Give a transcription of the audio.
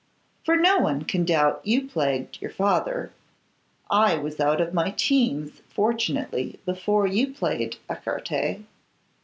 'For no one can doubt you plagued your father; I was out of my teens, fortunately, before you played écarté.